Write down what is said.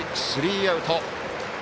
スリーアウト。